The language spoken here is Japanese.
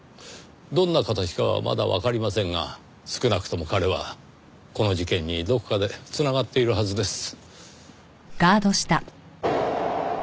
どんな形かはまだわかりませんが少なくとも彼はこの事件にどこかで繋がっているはずです。